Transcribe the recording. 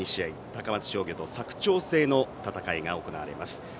高松商業と佐久長聖の戦いが行われます。